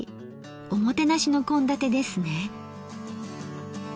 おもてなしの献立ですね。